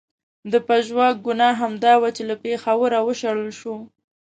د پژواک ګناه همدا وه چې له پېښوره و شړل شو.